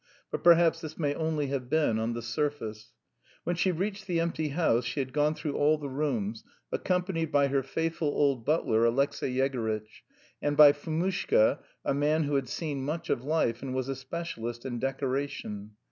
But perhaps this may only have been on the surface. When she reached the empty house she had gone through all the rooms, accompanied by her faithful old butler, Alexey Yegorytch, and by Fomushka, a man who had seen much of life and was a specialist in decoration.